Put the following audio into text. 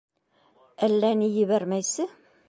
Әллә ни ебәрмәйсе.